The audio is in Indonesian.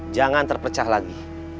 jangan terpecah lagi